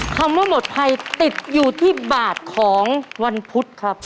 คำว่าหมดภัยติดอยู่ที่บาทของวันพุธครับ